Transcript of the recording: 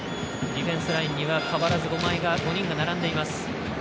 ディフェンスラインには変わらず５人が並んでいます。